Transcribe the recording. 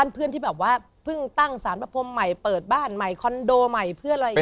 เพื่อนที่แบบว่าเพิ่งตั้งสารพระพรมใหม่เปิดบ้านใหม่คอนโดใหม่เพื่อนอะไรอย่างนี้